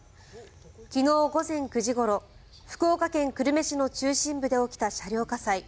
昨日午前９時ごろ福岡県久留米市の中心部で起きた車両火災。